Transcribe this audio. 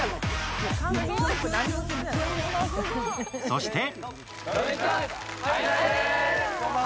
そして！